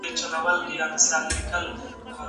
اوبه پاکه کړه!!